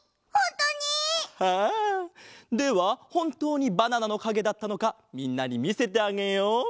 ああではほんとうにバナナのかげだったのかみんなにみせてあげよう。